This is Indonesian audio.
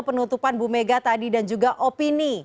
penutupan bu mega tadi dan juga opini